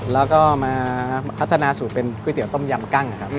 แล้วก็มาพัฒนาสู่เป็นก๋วยเตี๋ยวต้มยำกล้าง